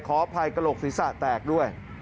ขออภัยกระโหลกศีรษะแตกด้วย